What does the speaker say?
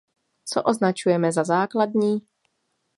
Co označujeme za základní?